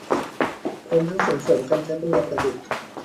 พร้อมทั้งส่งเสริมการใช้ปัญญาประดิษฐ์